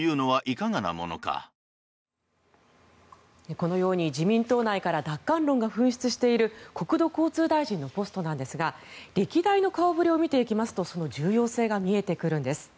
このように自民党内から奪還論が噴出している国土交通大臣のポストなんですが歴代の顔触れを見ていきますとその重要性が見えてくるんです。